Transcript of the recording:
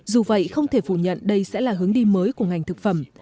dù vậy không thể phủ nhận đây sẽ là hướng đi mới của ngành thực phẩm